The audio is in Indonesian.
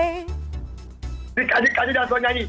kadir kadir jangan suaranyany